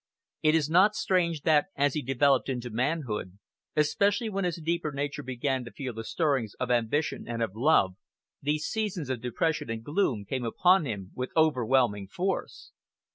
It is not strange that as he developed into manhood, especially when his deeper nature began to feel the stirrings of ambition and of love, these seasons of depression and gloom came upon him with overwhelming force.